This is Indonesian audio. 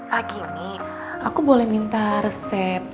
pagi ini aku boleh minta resep